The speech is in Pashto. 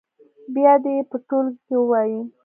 بیا دې یې په ټولګي کې ووایي.